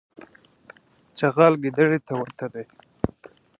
چغال ګیدړي ته ورته دی.